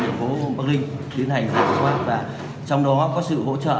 thành phố bắc ninh tiến hành giải phóng và trong đó có sự hỗ trợ